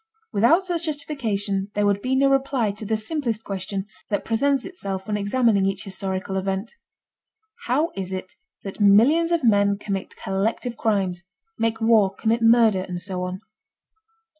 Without such justification there would be no reply to the simplest question that presents itself when examining each historical event. How is it that millions of men commit collective crimes—make war, commit murder, and so on?